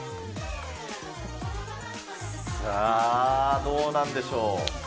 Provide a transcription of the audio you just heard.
さあ、どうなんでしょう。